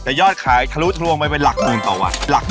แต่ยอดขายถรู่ทรวงไปลักเมืองต่อวัน